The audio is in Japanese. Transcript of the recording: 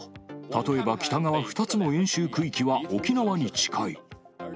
例えば、北側２つの演習区域は沖縄に近い。